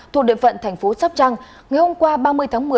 thuộc địa phận thành phố sóc trăng ngày hôm qua ba mươi tháng một mươi